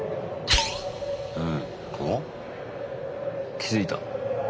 気付いた。